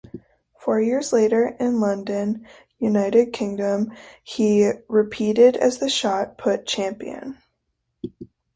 Four years later, in London, United Kingdom, he repeated as the shot put champion.